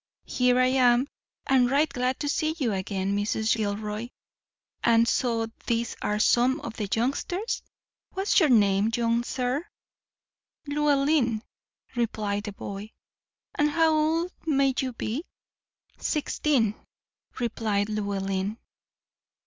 "Here I am, and right glad to see you again, Mrs. Gilroy. And so these are some of the youngsters? What's your name, young sir?" "Llewellyn," replied the boy. "And how old may you be?" "Sixteen," replied Llewellyn.